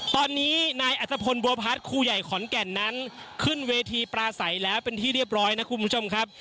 ตอนนี้นายอัตภพลบัวพัฒน์ครูใหญ่ขอนแก่นนั้นขึ้นเวทีปลาใสแล้วเป็นที่เรียบร้อยนะคุณผู้ชมครับ